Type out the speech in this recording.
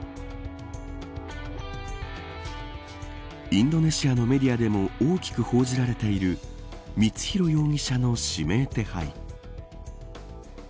インドネシアのメディアでも大きく報じられている光弘容疑者の指名手配。